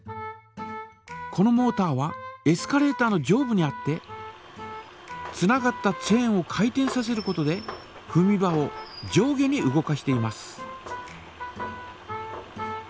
このモータはエスカレータ−の上部にあってつながったチェーンを回転させることでふみ場を上下に動かしています。